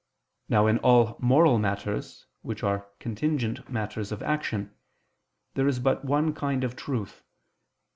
Now in all moral matters, which are contingent matters of action, there is but one kind of truth.